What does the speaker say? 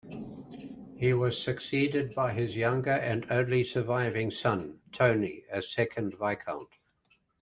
He was succeeded by his younger and only surviving son, Tony, as second viscount.